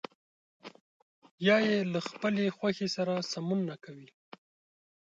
یا يې له خپلې خوښې سره سمون نه کوي.